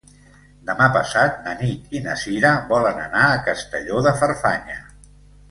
Demà passat na Nit i na Sira volen anar a Castelló de Farfanya.